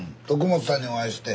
元さんにお会いして。